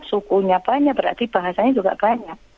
sukunya banyak berarti bahasanya juga banyak